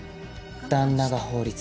旦那が法律。